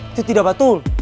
itu tidak betul